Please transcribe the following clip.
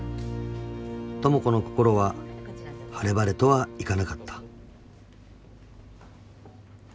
［智子の心は晴々とはいかなかった］